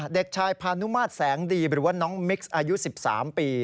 เด็กชายพานุมาตรแสงดีหรือว่าน้องมิกซ์อายุ๑๓ปี